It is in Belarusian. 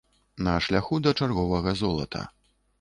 На шляху да чарговага золата.